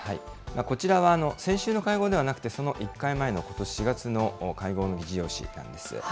こちらは、先週の会合ではなくて、その１回前のことし４月の会合の議事要旨なんですよ。